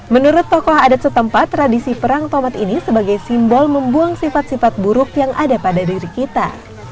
menurut tokoh adat setempat tradisi perang tomat ini sebagai simbol membuang sifat sifat buruk yang ada pada diri kita